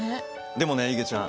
でもねいげちゃん。